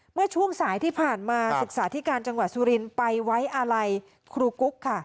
เมื่อช่วงสายที่ผ่านมาศึกษาธิการจังหวัดสุรินทร์ไปไว้อาลัยครูกุ๊กค่ะ